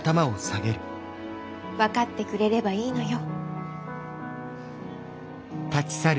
分かってくれればいいのよ。